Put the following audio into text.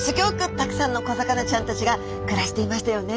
たくさんの小魚ちゃんたちが暮らしていましたよね。